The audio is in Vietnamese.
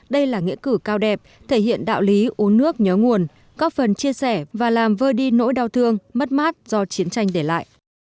đây là nghĩa cử cao đẹp thể hiện đạo lý uống nước nhớ nguồn góp phần chia sẻ và làm vơi đi nỗi đau thương mất mát do chiến tranh để lại